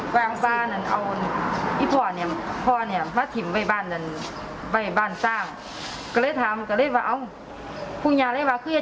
คนธุรกีรที่นี่ต้องกับท่านเหรอครับ